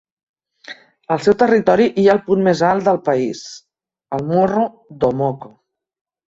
Al seu territori hi ha el punt més alt del país, el Morro do Moco.